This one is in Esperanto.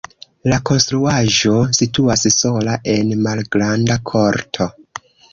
La konstruaĵo situas sola en malgranda korto.